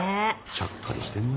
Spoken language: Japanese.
ちゃっかりしてんなぁ。